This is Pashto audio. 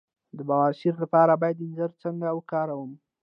د بواسیر لپاره باید انځر څنګه وکاروم؟